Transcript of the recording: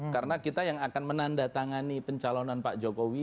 karena kita yang akan menandatangani pencalonan pak jokowi